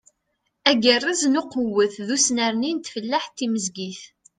Agerrez n uqewwet d usnerni n tfellaḥt timezgit.